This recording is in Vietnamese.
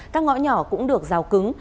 các ngõ nhỏ cũng được rào cứng